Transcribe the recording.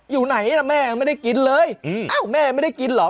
อยู่ไหนล่ะแม่ไม่ได้กินเลยอ้าวแม่ไม่ได้กินเหรอ